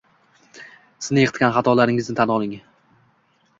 Sizni yiqitgan xatolaringizni tan oling.